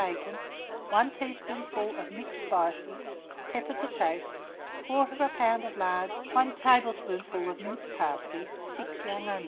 bacon, 1 teaspoonful of mixed spices, pepper to taste, 1/4 lb. of lard, 1 tablespoonful of minced parsley, 6 young onions.